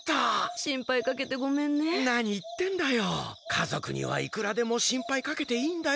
かぞくにはいくらでもしんぱいかけていいんだよ。